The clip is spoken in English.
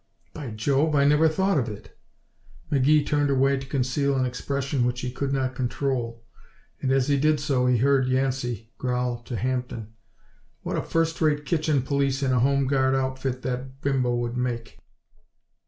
"By Jove! I never thought of it." McGee turned away to conceal an expression which he could not control, and as he did so he heard Yancey growl to Hampden: "What a first rate kitchen police in a Home Guard outfit that bimbo would make!"